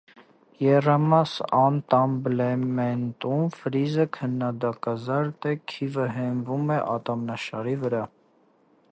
Եռամաս անտամբլեմենտում ֆրիզը քանդակազարդ է, քիվը հենվում է ատամնաշարի վրա։